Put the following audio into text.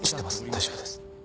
大丈夫です。